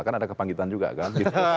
kan ada kepanggitan juga kan gitu